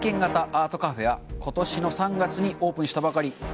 アートカフェは今年の３月にオープンしたばかり。